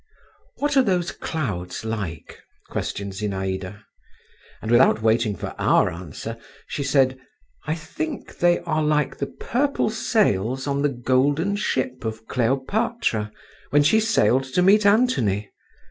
"What are those clouds like?" questioned Zinaïda; and without waiting for our answer, she said, "I think they are like the purple sails on the golden ship of Cleopatra, when she sailed to meet Antony.